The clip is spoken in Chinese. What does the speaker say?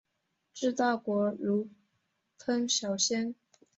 治大国如烹小鲜。